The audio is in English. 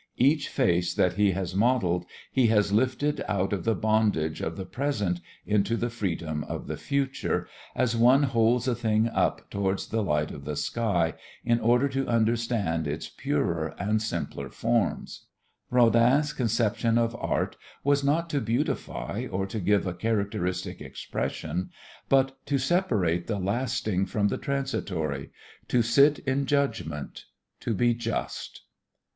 Each face that he has modeled he has lifted out of the bondage of the present into the freedom of the future, as one holds a thing up toward the light of the sky in order to understand its purer and simpler forms. Rodin's conception of Art was not to beautify or to give a characteristic expression, but to separate the lasting from the transitory, to sit in judgment, to be just.